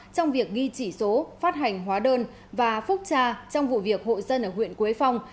trong việc ghi chỉ số phát hành hóa đơn và phúc tra trong vụ việc hội dân ở huyện quế phong